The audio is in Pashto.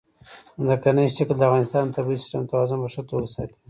ځمکنی شکل د افغانستان د طبعي سیسټم توازن په ښه توګه ساتي.